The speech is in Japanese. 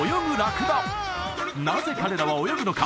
なぜ彼らは泳ぐのか？